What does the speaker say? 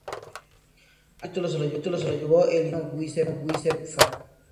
Al final el título se lo llevó el italiano Giuseppe Farina.